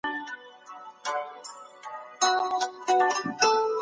پر مځکي باندې د پاڼو یو شین او تازه فرش غوړېدلی و.